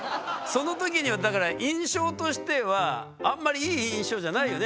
その時にはだから印象としてはあんまりいい印象じゃないよね？